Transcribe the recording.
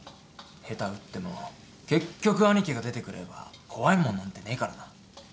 下手打っても結局アニキが出てくれば怖いもんなんてねえからな。